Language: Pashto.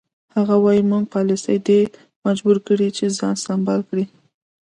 هغه وایي زموږ پالیسي دی مجبور کړی چې ځان سمبال کړي.